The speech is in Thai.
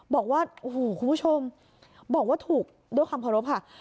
บอกว่าคุณผู้ชมบอกว่าถูกด้วยคำขอรบค่ะ